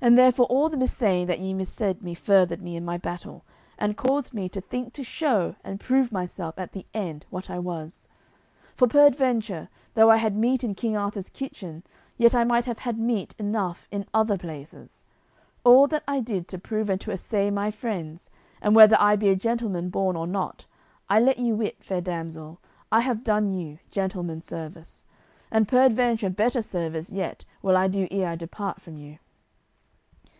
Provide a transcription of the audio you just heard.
And therefore all the missaying that ye missaid me furthered me in my battle, and caused me to think to show and prove myself at the end what I was. For peradventure, though I had meat in King Arthur's kitchen, yet I might have had meat enough in other places. All that I did to prove and to assay my friends, and whether I be a gentleman born or not, I let you wit, fair damsel, I have done you gentleman's service, and peradventure better service yet will I do ere I depart from you."